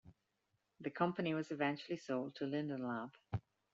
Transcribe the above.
The company was eventually sold to Linden Lab.